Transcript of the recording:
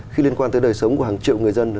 khi liên quan tới đời sống của hàng triệu người dân